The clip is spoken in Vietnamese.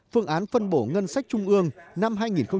phương án phân bổ ngân sách trung ương năm hai nghìn một mươi tám